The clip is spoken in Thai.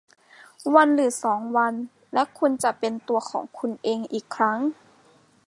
วันหรือสองวันและคุณจะเป็นตัวของคุณเองอีกครั้ง